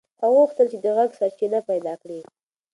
هغه غوښتل چې د غږ سرچینه پیدا کړي.